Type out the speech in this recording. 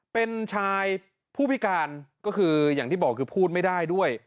เป็นชายผู้พิการก็คืออย่างที่บอกคือพูดไม่ได้ด้วย